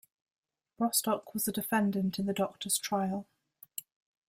Rostock was a defendant in the Doctors' Trial.